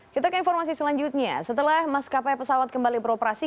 kita ke informasi selanjutnya setelah maskapai pesawat kembali beroperasi